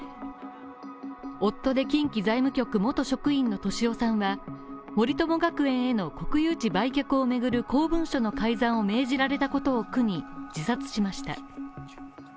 夫で近畿財務局元職員の俊夫さんは、森友学園への国有地売却をめぐる公文書の改ざんを命じられたことを苦に自殺しました。